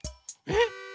えっ？